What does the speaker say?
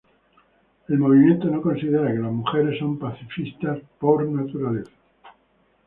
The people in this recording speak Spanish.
El movimiento no considera que las mujeres son pacifistas por naturaleza.